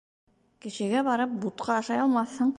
Кешегә барып бутҡа ашай алмаҫһың.